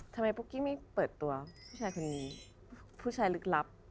ปุ๊กกี้ไม่เปิดตัวผู้ชายคนนี้ผู้ชายลึกลับ